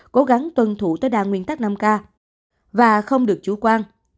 cố gắng tuân thủ tối đa nguyên tắc năm k và không được chủ quan